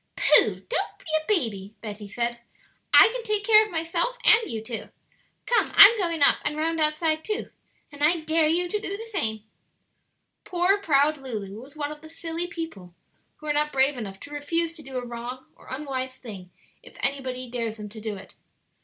"Pooh!" said Betty, "don't be a baby; I can take care of myself and you too. Come, I'm going up and round outside too; and I dare you to do the same." Poor proud Lulu was one of the silly people who are not brave enough to refuse to do a wrong or unwise thing if anybody dares them to do it.